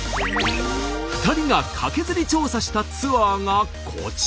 ２人がカケズリ調査したツアーがこちら。